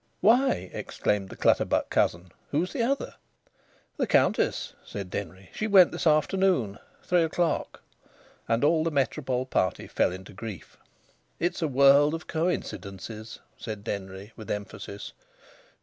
"Why?" exclaimed the Clutterbuck cousin, "who's the other?" "The Countess," said Denry. "She went this afternoon three o'clock." And all the Métropole party fell into grief. "It's a world of coincidences," said Denry, with emphasis.